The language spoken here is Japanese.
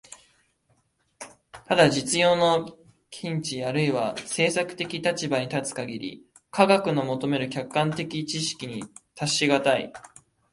ただ実用の見地あるいは政策的立場に立つ限り、科学の求める客観的知識に達し難い。